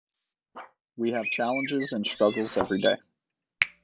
We have challenges and struggles every day.